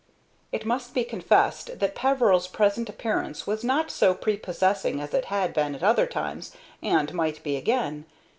It must be confessed that Peveril's present appearance was not so prepossessing as it had been at other times, and might be again.